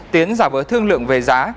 tiến giả vỡ thương lượng về giá